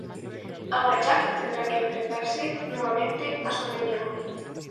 Ahora Jack tendrá que enfrentarse nuevamente a su enemigo.